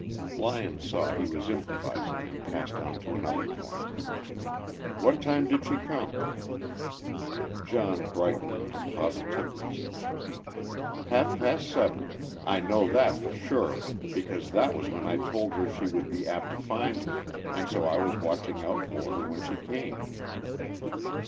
Lyon saw he was improvising and passed on to another point. "What time did she come?" John brightened into positiveness. "Half past seven. I know that for sure, because that was when I told her she would be apt to find him, and so I was watching out for her when she came."